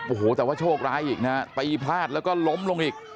โอ้โหแต่ว่าโชคร้ายอีกนะฮะตีพลาดแล้วก็ล้มลงอีก